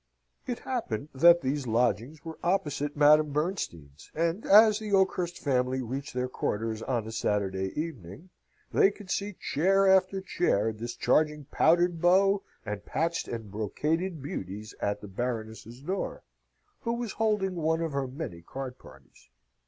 It happened that these lodgings were opposite Madame Bernstein's; and as the Oakhurst family reached their quarters on a Saturday evening, they could see chair after chair discharging powdered beaux and patched and brocaded beauties at the Baroness's door, who was holding one of her many card parties.